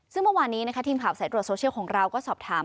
ซึ่งเมื่อวานนี้นะคะทีมข่าวสายตรวจโซเชียลของเราก็สอบถาม